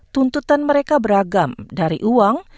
tuntutan mereka beragam dari uang